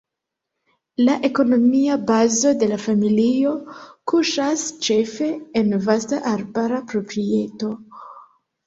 La ekonomia bazo de la familio kuŝas ĉefe en vasta arbara proprieto.